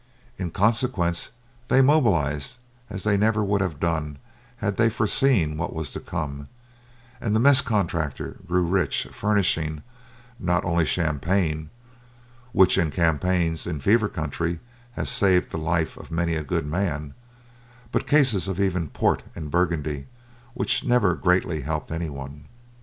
In consequence, they mobilized as they never would have done had they foreseen what was to come, and the mess contractor grew rich furnishing, not only champagne, which in campaigns in fever countries has saved the life of many a good man, but cases of even port and burgundy, which never greatly helped any one.